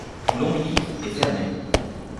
L'ombilic est fermé.